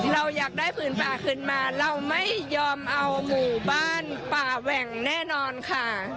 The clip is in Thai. เราอยากได้ผืนป่าขึ้นมาเราไม่ยอมเอาหมู่บ้านป่าแหว่งแน่นอนค่ะ